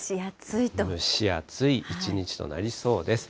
蒸し暑い一日となりそうです。